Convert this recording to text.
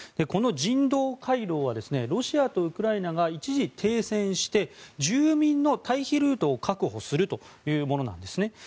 この人道回廊はロシアとウクライナが一時停戦して住民の退避ルートを確保するというものなんです。